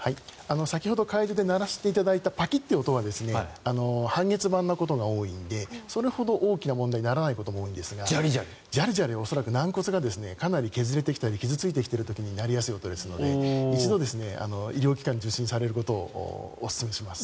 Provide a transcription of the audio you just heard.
先ほど鳴らしていただいたパキっという音は半月板のことが多いのでそれほど大きな問題にならないことが多いんですがじゃりじゃりは恐らく軟骨がかなり削れてきたり傷付いたりしている時に鳴りやすい音ですので一度、医療機関を受診されることをおすすめします。